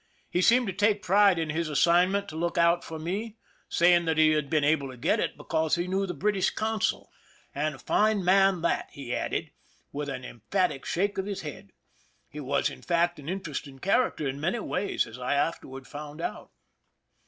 He seemed to take pride in his assignment to look out for me, saying that he had been able to get it because he knew the British consul— "And a fine man that," he added, with an emphatic shake of the head. He was, in fact, an interesting character in many ways, as I afterward found out.